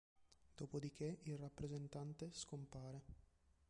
Dopodiché, il rappresentante scompare.